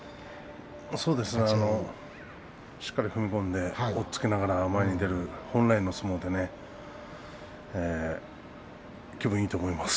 立ち合いしっかり踏み込んで押っつけながら前に出る本来の相撲で気分がいいと思います。